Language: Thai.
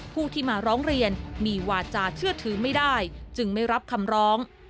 ผู้ที่มาร้องเรียนมีวาจาเชื่อถือไม่ได้จึงไม่รับคำร้อง